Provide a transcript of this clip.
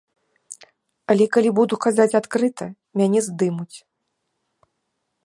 Але калі буду казаць адкрыта, мяне здымуць.